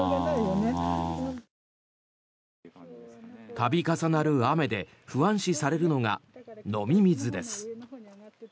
度重なる雨で不安視されるのが飲み水です。